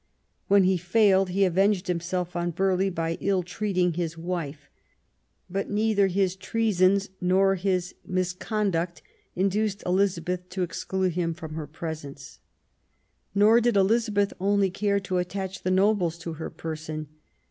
When he failed he avenged himself on Burghley by ill treating his wife; but neither his treasons nor his misconduct induced Elizabeth to exclude him from her presence. Nor did Elizabeth only care to attach the nobles to her person.